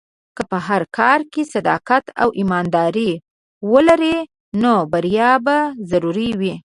که په هر کار کې صداقت او ایمانداري ولرې، نو بریا به ضرور وي.